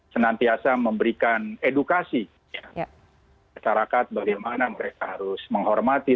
senantiasa memberikan edukasi masyarakat bagaimana mereka harus menghormati